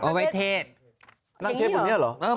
นั่นเทศตรงนี้หรอ